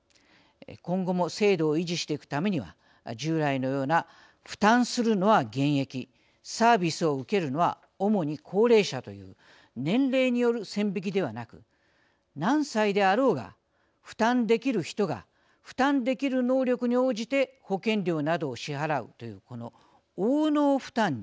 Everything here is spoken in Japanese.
今後も制度を維持していくためには従来のような負担するのは現役サービスを受けるのは主に高齢者という年齢による線引きではなく何歳であろうが負担できる人が負担できる能力に応じて保険料などを支払うというこの応能負担に。